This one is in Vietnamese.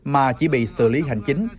mà chỉ bị xử lý hành chính